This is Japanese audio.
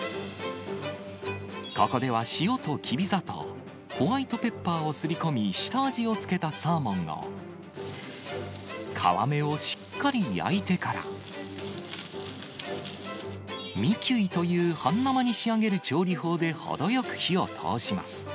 ここでは塩とキビ砂糖、ホワイトペッパーをすり込み、下味を付けたサーモンを、皮目をしっかり焼いてから、ミ・キュイという半生に仕上げる調理法で程よく火を通します。